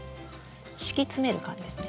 敷き詰める感じですね。